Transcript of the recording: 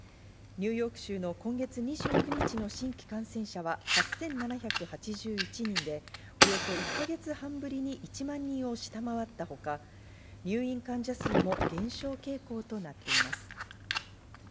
ニューヨーク州の今月２９日の新規感染者は８７８１人でおよそ１か月半ぶりに１万人を下回ったほか、入院患者数も減少傾向となっています。